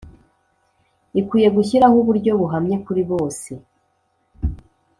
ikwiye gushyiraho uburyo buhamye kuri bose